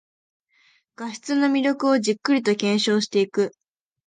画質の魅力をじっくりと検証していく